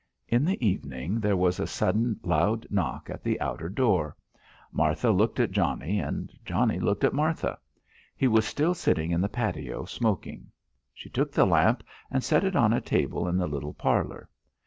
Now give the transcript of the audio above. In the evening there was a sudden loud knock at the outer door. Martha looked at Johnnie and Johnnie looked at Martha. He was still sitting in the patio, smoking. She took the lamp and set it on a table in the little parlour.